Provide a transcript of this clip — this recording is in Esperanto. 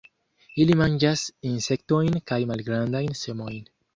Ili manĝas insektojn kaj malgrandajn semojn.